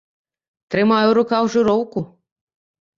Трымаю ў руках жыроўку.